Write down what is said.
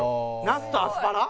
ナスとアスパラ。